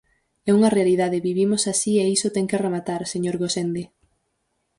É unha realidade; vivimos así e iso ten que rematar, señor Gosende.